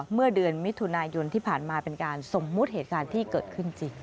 เมื่อเดือนมิถุนายนที่ผ่านมาเป็นการสมมุติเหตุการณ์ที่เกิดขึ้นจริง